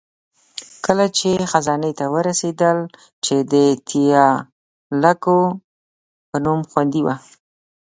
کله چې خزانې ته ورسېدل، چې د تیالکو په نوم خوندي وه.